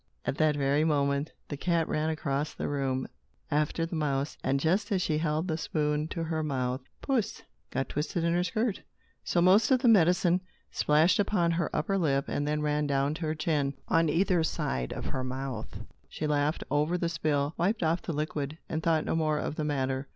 At that very moment the cat ran across the room, after the mouse, and just as she held the spoon to her mouth, Puss got twisted in her skirts. So most of the medicine splashed upon her upper lip and then ran down to her chin, on either side of her mouth. She laughed over the spill, wiped off the liquid, and thought no more of the matter.